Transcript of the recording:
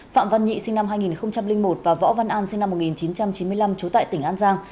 phạm văn nhị sinh năm hai nghìn một và võ văn an sinh năm một nghìn chín trăm chín mươi năm trú tại tỉnh an giang